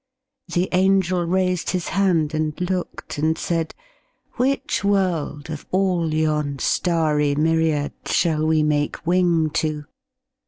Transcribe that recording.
The angel raised his hand and looked and said, "Which world, of all yon starry myriad Shall we make wing to?"